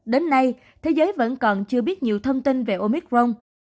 đến nay thế giới vẫn còn chưa biết nhiều thông tin về omicron